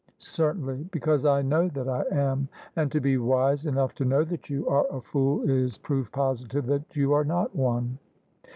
"" Certainly: because I know that I am: and to be wise enough to know that you are a fool is proof positive that you are not one."